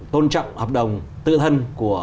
tôn trọng hợp đồng tự thân của